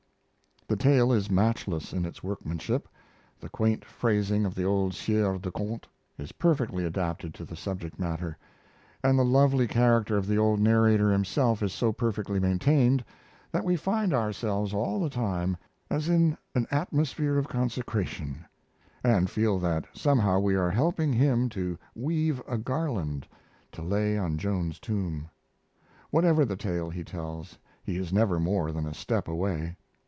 The tale is matchless in its workmanship. The quaint phrasing of the old Sieur de Conte is perfectly adapted to the subject matter, and the lovely character of the old narrator himself is so perfectly maintained that we find ourselves all the time as in an atmosphere of consecration, and feel that somehow we are helping him to weave a garland to lay on Joan's tomb. Whatever the tale he tells, he is never more than a step away.